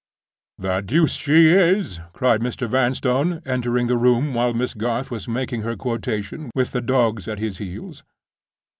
"The deuce she is!" cried Mr. Vanstone, entering the room while Miss Garth was making her quotation, with the dogs at his heels.